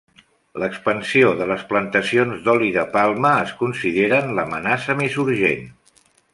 L'expansió de les plantacions d'oli de palma es consideren l'amenaça més urgent.